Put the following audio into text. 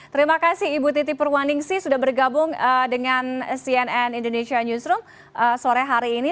terima kasih ibu titi purwaningsi sudah bergabung dengan cnn indonesia newsroom sore hari ini